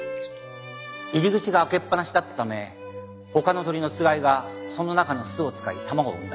入り口が開けっぱなしだったため他の鳥のつがいがその中の巣を使い卵を産んだ。